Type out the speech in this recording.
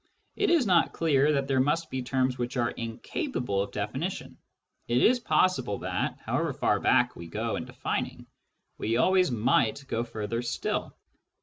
It is not clear that there must be terms which are incapable of definition : it is possible that, however far back we go in defining, we always might go further still.